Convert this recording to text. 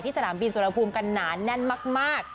สนามบินสุรภูมิกันหนาแน่นมาก